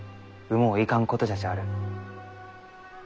もういかんことじゃちある。